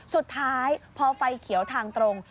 สุดท้ายพอไฟเขียวทางตรง